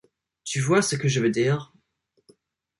Tu vois ce que je veux dire…